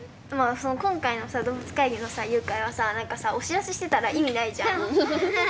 その今回のさ「動物会議」のさ誘拐はさ何かさお知らせしてたら意味ないじゃん。